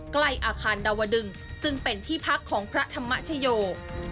ใกล้อาคารดาวดึงซึ่งเป็นที่พักของพระธรรมชโย